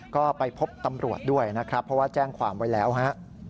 ก็ไปพบตำรวจด้วยนะครับเพราะว่าแจ้งความไว้แล้วฮะ